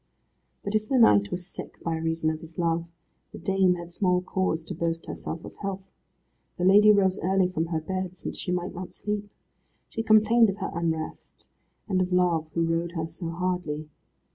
But if the knight was sick by reason of his love, the dame had small cause to boast herself of health. The lady rose early from her bed, since she might not sleep. She complained of her unrest, and of Love who rode her so hardly.